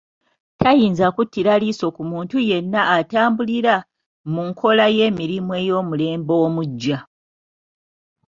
Tayinza kuttira liiso ku muntu yenna atatambulira mu nkola y'emirimu ey'omulembe omuggya